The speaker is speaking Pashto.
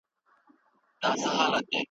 ده د ماتې پر مهال زغم ښووه.